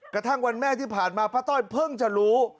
กระทั่งวันแม่ที่ผ่านมาป้าต้อยเพิ่งจะรู้